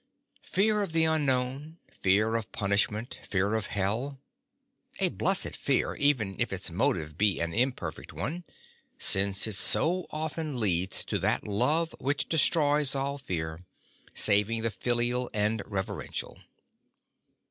Fear of the unknown, fear of punish ment, fear of hell : a blessed fear, even if its motive be an imperfect one, since it so often leads to that love which de stroys all fear, saving the filial and reverential.